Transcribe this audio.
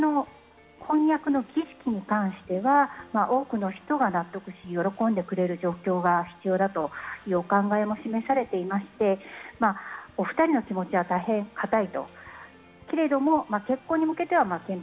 結婚の婚約の儀式に関しては多くの人が納得して喜んでくれる状況が必要だというお考えも示されていましてお２人の気持ちは大変堅い。